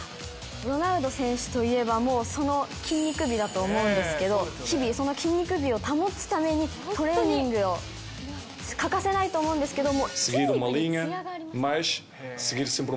ロナウド選手といえば、もうその筋肉美だと思うんですけど、日々、その筋肉美を保つために、トレーニングを欠かせないと思うんですけども。